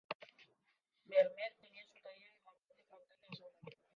Vermeer tenía su taller en la parte frontal de la segunda planta.